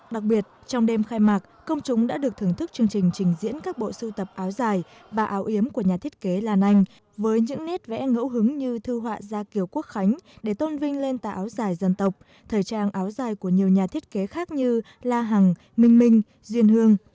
đặc biệt trong đêm khai mạc công chúng đã được thưởng thức chương trình trình diễn các bộ sưu tập áo dài và áo yếm của nhà thiết kế lan anh với những nét vẽ ngẫu hứng như thư họa gia kiều quốc khánh để tôn vinh lên tà áo dài dân tộc thời trang áo dài của nhiều nhà thiết kế khác như la hằng minh duyên hương